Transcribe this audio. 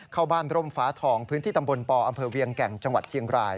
เข้าบ้านร่มฟ้าทองพื้นที่ตำบลปอำเภอเวียงแก่งจังหวัดเชียงราย